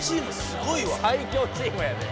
さい強チームやで。